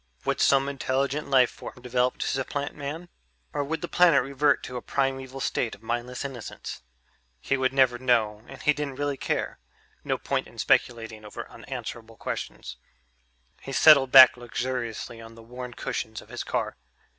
Would some intelligent life form develop to supplant man? Or would the planet revert to a primeval state of mindless innocence? He would never know and he didn't really care ... no point in speculating over unanswerable questions. He settled back luxuriously on the worn cushions of his car.